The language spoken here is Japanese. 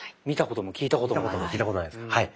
見たことも聞いたこともないですか。